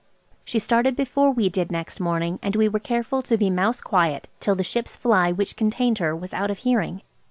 She started before we did next morning, and we were careful to be mouse quiet till the "Ship's" fly which contained her was out of hearing.